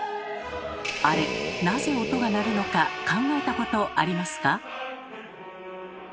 あれなぜ音が鳴るのか考えたことありますか？